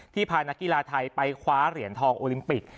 พานักกีฬาไทยไปคว้าเหรียญทองโอลิมปิก